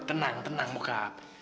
tenang tenang bokap